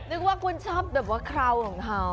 นึกว่าคุณชอบแบบว่าคราวของเขา